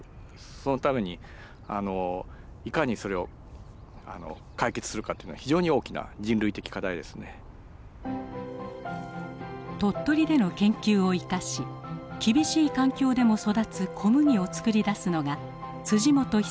そのためにいかにそれを解決するかっていうのは非常に大きな人類的課題ですね。鳥取での研究を生かし厳しい環境でも育つ小麦を作り出すのが本壽教授のねらいです。